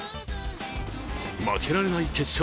負けられない決勝。